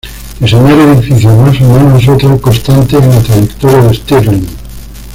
Diseñar edificios más humanos es otra constante en la trayectoria de Stirling.